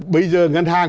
bây giờ ngân hàng